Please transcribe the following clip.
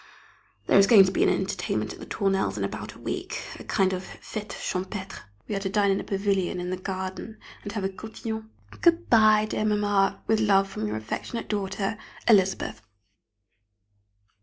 There is going to be an entertainment at the Tournelles' in about a week, a kind of fête champêtre. We are to dine in a pavilion in the garden, and then have a cotillon. Good bye, dear Mamma, with love from your affectionate daughter, Elizabeth.